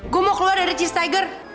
gue mau keluar dari cheese tiger